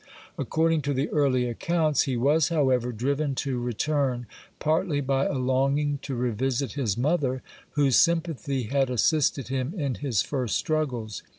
According to the early accounts, he was, however, driven to return, partly by a longing to revisit his mother, whose sympathy had assisted him in his first struggles.